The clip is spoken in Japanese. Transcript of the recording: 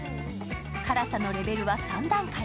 辛さのレベルは３段階。